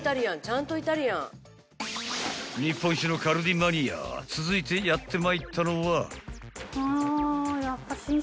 ［日本一のカルディマニア続いてやってまいったのは］